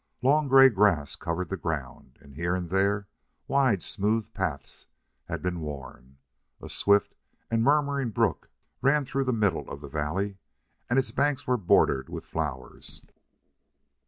Long gray grass covered the ground, and here and there wide, smooth paths had been worn. A swift and murmuring brook ran through the middle of the valley, and its banks were bordered with flowers.